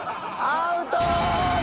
アウト！